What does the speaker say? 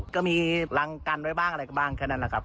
ก็มีรังกันไว้บ้างอะไรก็บ้างแค่นั้นนะครับ